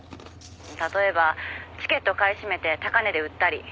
「例えばチケットを買い占めて高値で売ったり」